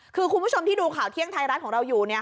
คือคุณผู้ชมที่ดูข่าวเที่ยงไทยรัฐของเราอยู่